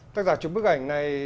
tác giả chụp bức ảnh này